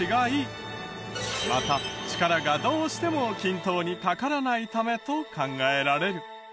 また力がどうしても均等にかからないためと考えられる。